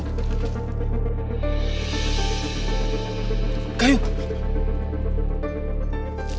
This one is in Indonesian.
mau dimandiin sama nenek